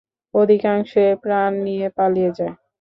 অধিকাংশই প্রাণ নিয়ে পালিয়ে যায়।